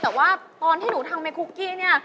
แต่ว่าตอนที่หนูทำไม่คุกกี้เนี่ย